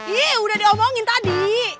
ih udah diomongin tadi